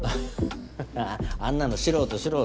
ハハッあんなの素人素人。